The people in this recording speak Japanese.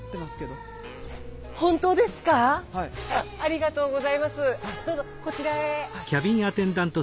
どうぞこちらへ。